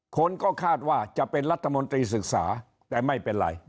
คนก็คาดว่าจะเป็นรัฐมนตรีศึกษาแต่ไม่เป็นไร